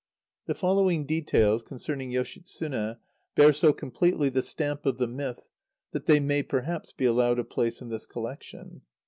The following details concerning Yoshitsune bear so completely the stamp of the myth, that they may, perhaps, be allowed a place in this collection.